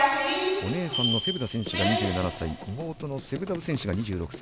お姉さんのセブダ選手が２７歳妹のセブタプ選手が２６歳。